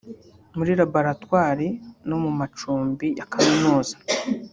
muri laboratwari no mu macumbi ya kaminuza